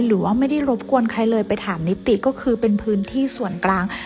หรือว่าไม่ได้รบกวนใครเลยไปถามนิติก็คือเป็นพื้นที่ส่วนกลาง